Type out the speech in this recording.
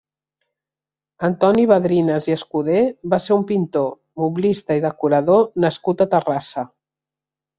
Antoni Badrinas i Escudé va ser un pintor, moblista i decorador nascut a Terrassa.